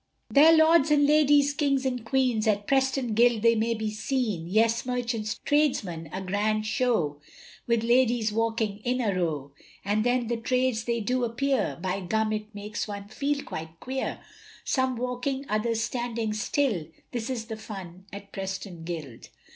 There lords and ladies, Kings and Queens, At Preston Guild they may be seen, Yes, Merchants, Tradesmen, a grand show, With ladies walking in a row; And then the trades they do appear, By gum it makes one feel quite queer, Some walking, others standing still, This is the fun at Preston Guild.